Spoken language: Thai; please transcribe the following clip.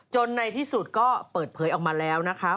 ในที่สุดก็เปิดเผยออกมาแล้วนะคะ